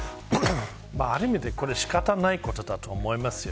ある意味で仕方のないことだと思います。